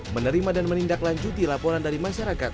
menerima dan menindaklanjuti laporan dari masyarakat